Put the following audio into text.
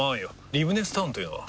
リブネスタウンというのは？